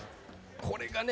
これがね